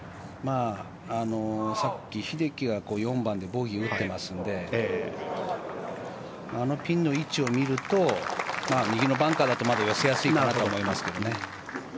さっき、英樹が４番でボギーを打ってますのであのピンの位置を見ると右のバンカーだとまだ寄せやすいかなと思いますけどね。